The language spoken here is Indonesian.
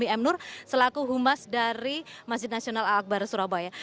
m nur selaku humas dari masjid nasional al akbar surabaya